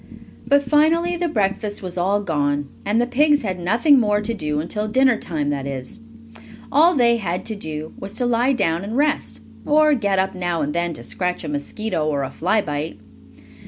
But finally the breakfast was all gone, and the pigs had nothing more to do until dinner time that is, all they had to do was to lie down and rest, or get up now and then to scratch a mosquito, or a fly bite.